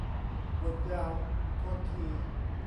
บ่นยาว โทษที